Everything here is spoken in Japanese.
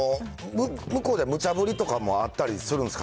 向こうではむちゃ振りとかあったりするんすか？